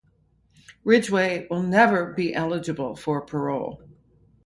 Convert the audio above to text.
Ridgway will never be eligible for parole.